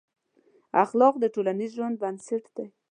اخلاق د ټولنیز ژوند بنسټ دی.